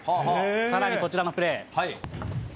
さらにこちらのプレー。